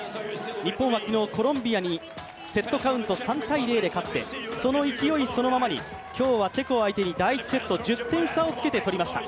日本は昨日コロンビアにセットカウント３‐０で勝ってその勢いそのままに今日はチェコを相手に、１セット１０点差をつけて取りました。